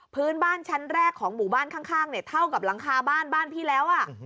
พื้นบ้านชั้นแรกของหมู่บ้านข้างเนี่ยเท่ากับหลังคาบ้านบ้านพี่แล้ว